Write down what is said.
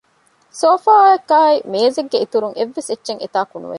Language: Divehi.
ސޯފާއަކާއި މޭޒެއްގެ އިތުރުން އެއްވެސް އެއްޗެއް އެތާކު ނުވެ